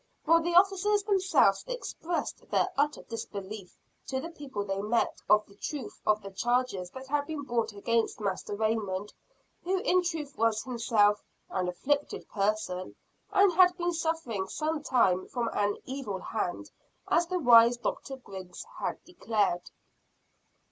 While the officers themselves expressed their utter disbelief to the people they met, of the truth of the charges that had been brought against Master Raymond; who in truth was himself "an afflicted person," and had been suffering some time from an "evil hand," as the wise Dr. Griggs had declared.